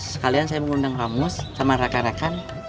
sekalian saya mau mengundang kamus sama rakan rakan